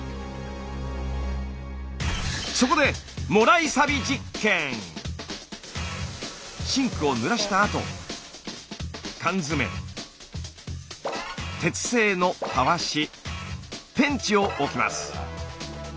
そこでシンクをぬらしたあと缶詰鉄製のタワシペンチを置きます。